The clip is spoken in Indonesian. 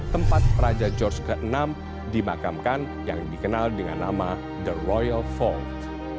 tempat raja george vi dimakamkan yang dikenal dengan nama the royal foam